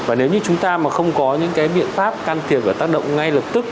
và nếu như chúng ta mà không có những cái biện pháp can thiệp và tác động ngay lập tức